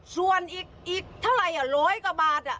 ส่วนอีกเท่าไรละ๑๐๐กว่าบาท